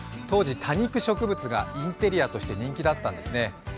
当時、多肉植物がインテリアとして人気だったんですね。